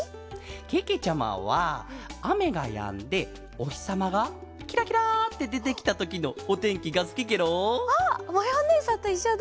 けけちゃまはあめがやんでおひさまがキラキラってでてきたときのおてんきがすきケロ！あっまやおねえさんといっしょだ！